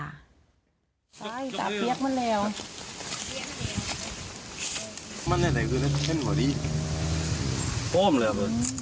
อ้าวจ้าเปี๊ยกมันแล้ว